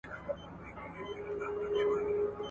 که یو ماشوم په املا کي توري سم ولیکي.